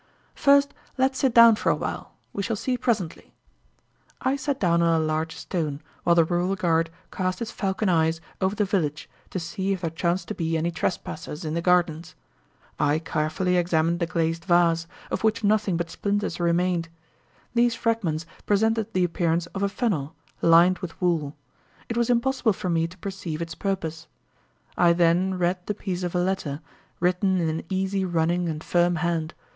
"First, let's sit down for a while. We shall see presently." I sat down on a large stone, while the rural guard cast his falcon eyes over the village to see if there chanced to be any trespassers in the gardens. I carefully examined the glazed vase, of which nothing but splinters remained. These fragments presented the appearance of a funnel, lined with wool. It was impossible for me to perceive its purpose. I then read the piece of a letter, written in an easy running and firm hand.